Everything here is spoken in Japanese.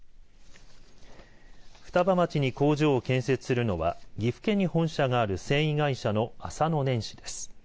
双葉町に工場を建設するのは岐阜県に本社がある繊維会社の浅野撚糸です。